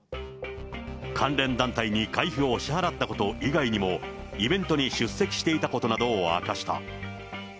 関連団体に会費を支払ったこと以外にも、イベントに出席していたことなどを明かした。